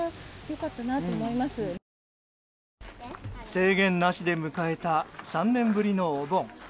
制限なしで迎えた３年ぶりのお盆。